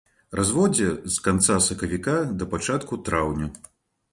Разводдзе з канца сакавіка да пачатку траўня.